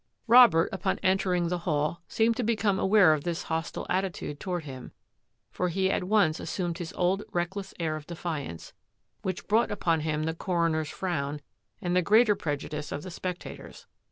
170 THRUST AND PARRY 171 Robert, upon entering the hall, seemed to be come aware of this hostile attitude toward him, for he at once assumed his old reckless air of defiance, which brought upon him the coroner's frown and the greater prejudice of the spectators.